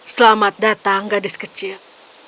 selamat datang gadis kecil